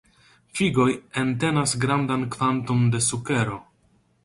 Figoj entenas grandan kvanton de sukero.